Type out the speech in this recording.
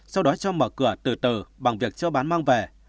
sau đó cho mở cửa từ từ bằng việc cho bán mang về